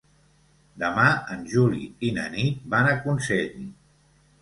Demà en Juli i na Nit van a Consell.